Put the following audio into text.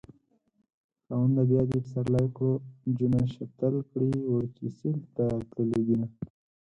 خاونده بيا دې پسرلی کړو جونه شفتل کړي وړکي سيل ته تللي دينه